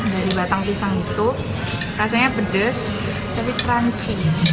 dari batang pisang itu rasanya pedes tapi crunchy